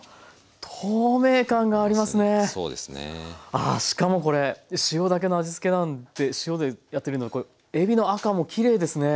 ああしかもこれ塩だけの味付けなんで塩でやってるのこれえびの赤もきれいですね。